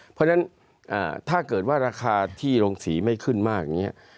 เพราะฉะนั้นถ้าเกิดว่าราคาที่โรงสีไม่ขึ้นมากอย่างนี้